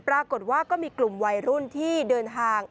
ปรากฏว่าก็มีกลุ่มวัยรุ่นที่เดินทาง